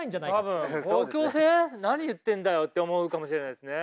多分「公共性？何言ってんだよ？」って思うかもしれないですね。